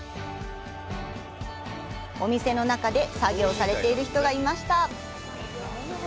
お店の中で作業されている人がいました。